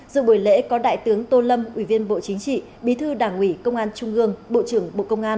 dự buổi lễ có đại tướng tô lâm ủy viên bộ chính trị bí thư đảng ủy công an trung ương bộ trưởng bộ công an